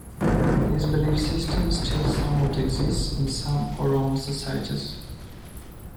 This belief system still somewhat exists in some Oromo societies.